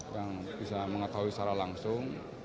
yang bisa mengetahui secara langsung